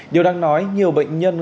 điều đang nói nhiều bệnh nhân